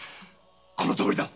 このとおりだ。